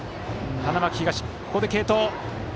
花巻東、ここで継投。